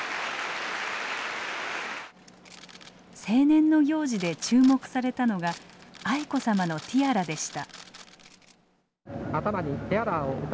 成年の行事で注目されたのが愛子さまのティアラでした。